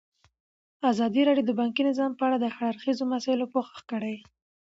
ازادي راډیو د بانکي نظام په اړه د هر اړخیزو مسایلو پوښښ کړی.